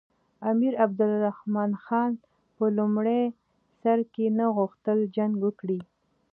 امیر عبدالرحمن خان په لومړي سر کې نه غوښتل جنګ وکړي.